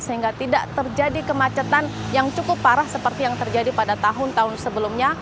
sehingga tidak terjadi kemacetan yang cukup parah seperti yang terjadi pada tahun tahun sebelumnya